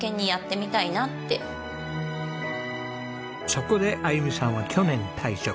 そこであゆみさんは去年退職。